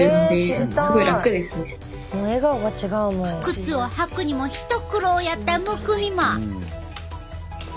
靴を履くにも一苦労やったむくみも。